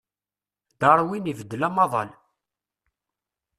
Darwin ibeddel amaḍal.